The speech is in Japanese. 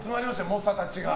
猛者たちが。